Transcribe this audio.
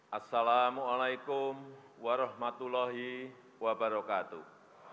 assalamu alaikum warahmatullahi wabarakatuh